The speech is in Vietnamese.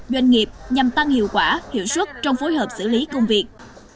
doanh nghiệp nhằm tăng hiệu quả hiệu suất trong phối hợp xử lý công việc